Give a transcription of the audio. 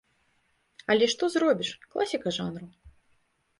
Але што зробіш, класіка жанру.